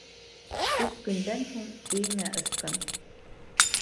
Өс көндән һуң өйөңә ысҡын.